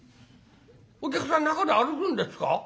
お客さん中で歩くんですか？